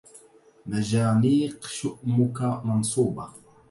مجانيق شؤمك منصوبة